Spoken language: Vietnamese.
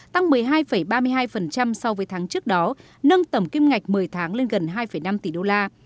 tăng một mươi hai ba mươi hai so với tháng trước đó nâng tầm kim ngạch một mươi tháng lên gần hai năm tỷ đô la